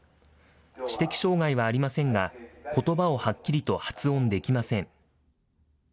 知的障害はありませんが、ことばをはっきりと発音できません。